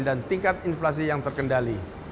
tingkat inflasi yang terkendali